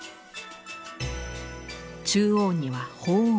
中央には鳳凰。